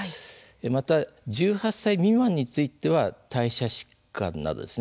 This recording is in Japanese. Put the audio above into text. また１８歳未満については代謝疾患などです。